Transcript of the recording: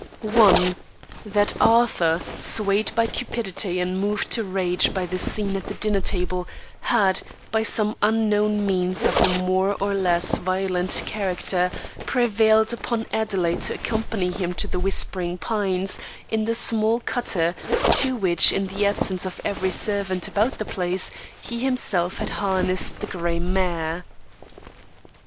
1. That Arthur, swayed by cupidity and moved to rage by the scene at the dinner table, had, by some unknown means of a more or less violent character, prevailed upon Adelaide to accompany him to The Whispering Pines, in the small cutter, to which, in the absence of every servant about the place, he himself had harnessed the grey mare.